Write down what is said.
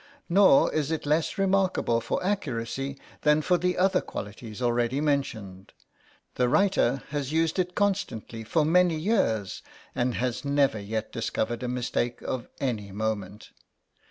Nor is it less remarkable for accuracy than for the other qualities already mentioned. The writer has used it constantly for many years, and has never yet discovered a mistake of any moment.